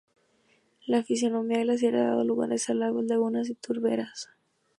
La fisonomía glaciar ha dado lugar a lagos, lagunas y turberas.